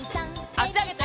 あしあげて。